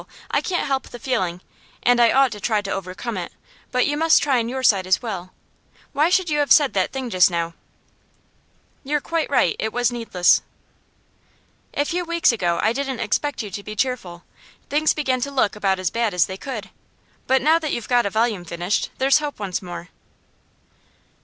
I can't help the feeling, and I ought to try to overcome it. But you must try on your side as well. Why should you have said that thing just now?' 'You're quite right. It was needless.' 'A few weeks ago I didn't expect you to be cheerful. Things began to look about as bad as they could. But now that you've got a volume finished, there's hope once more.